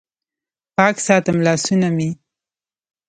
پاک ساتم لاسونه مې